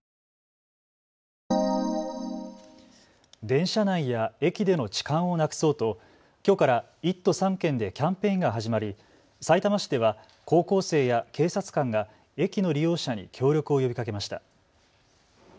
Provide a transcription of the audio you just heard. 電車内や駅での痴漢をなくそうときょうから１都３県でキャンペーンが始まりさいたま市では高校生や警察官が駅の利用者に協力を呼びかけました。